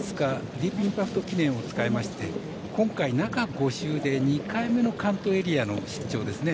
ディープインパクト記念を使いまして今回、中５週で２回目の関東エリアの出張ですね。